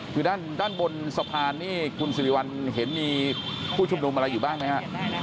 คือด้านบนสะพานนี่คุณสิริวัลเห็นมีผู้ชุมนุมอะไรอยู่บ้างไหมฮะ